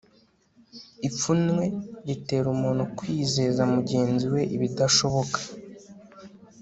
ipfunwe ritera umuntu kwizeza mugenzi we ibidashoboka